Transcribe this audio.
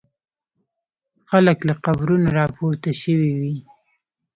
خلک له قبرونو را پورته شوي وي.